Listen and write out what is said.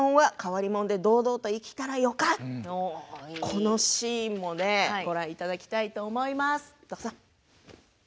このシーンもご覧いただきたいと思います。